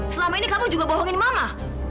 selama ini kamu juga bohongin mama